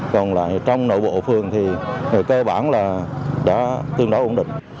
còn lại trong nội bộ phường thì cơ bản là đã tương đối ổn định